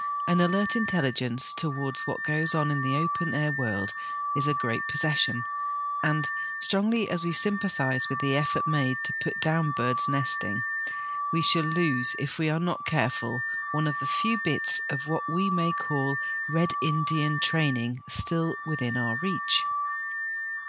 An alert intelligence towards what goes on in the open air world is a great possession, and, strongly as we sympathise with the effort made to put down bird's nesting, we shall lose, if we are not careful, one of the few bits of what we may call 'Red Indian' training still within our reach.